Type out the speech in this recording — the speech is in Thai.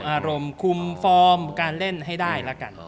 อารมณ์คุมฟอร์มการเล่นให้ได้